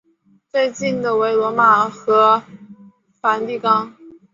最近的为罗马和梵蒂冈。